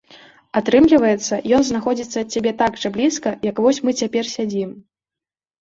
Атрымліваецца, ён знаходзіцца ад цябе так жа блізка, як вось мы цяпер сядзім.